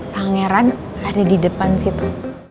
tangannya ran ada di depan situ